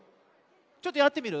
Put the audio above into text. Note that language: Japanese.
ちょっとやってみる？